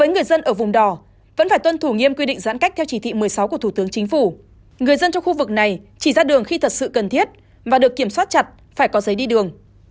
người dân trong khu vực này chỉ ra đường khi thật sự cần thiết và được kiểm soát chặt phải có giấy đi đường